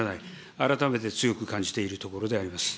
改めて強く感じているところであ